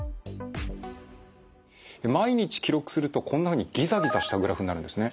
毎日記録するとこんなふうにギザギザしたグラフになるんですね。